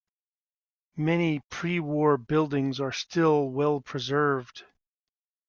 Many pre-war buildings are still well preserved.